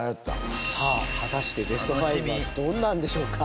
さあ、果たして、ベスト５はどんなのでしょうか？